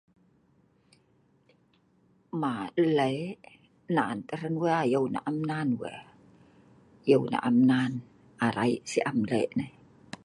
Maa killnleh nan tah hran we ayeu nah am we, ayeu nah am nan, arai si am le nai